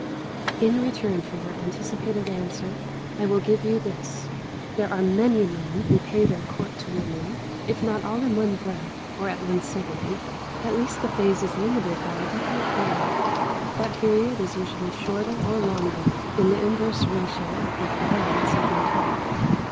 In return for your anticipated answer, I will give you this. There are many men who pay their court to women, if not all in one breath, or at one sitting, at least the phase is limited by a definite period. That period is usually shorter or longer in the inverse ratio of the violence of the attack.